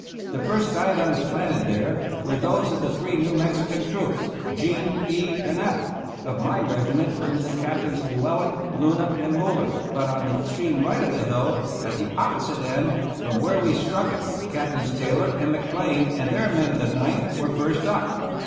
The first guidons planted there were those of the three New Mexi can troops, G, E, and F, of my regiment, under their Captains, Llewellen, Luna, and Muller, but on the extreme right of the hill, at the opposite end from where we struck it, Captains Taylor and McBlain and their men of the Ninth were first up.